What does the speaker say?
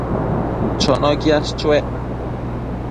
Chono quiash chuec